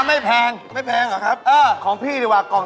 อ่ะคนบ้านเดียวกัน